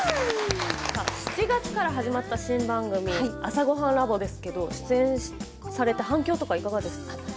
７月から始まった新番組「朝ごはんＬａｂ．」ですが出演されて反響とかいかがですか。